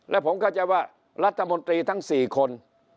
และผมเข้าใจว่ารัฐมนตรีทั้ง๔คน